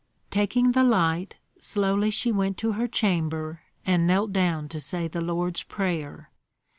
Taking the light, slowly she went to her chamber, and knelt down to say the Lord's Prayer.